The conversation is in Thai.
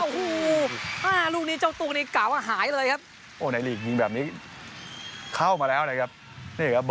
ห้อหลูกนี้เจ้าตัวนี้กล่าวว่าหายเลยครับ